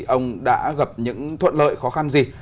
ông đã gặp những thuận lợi khó khăn gì